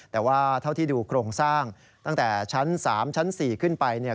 แต่ว่าเท่าที่ดูโครงสร้างตั้งแต่ชั้น๓ชั้น๔ขึ้นไปเนี่ย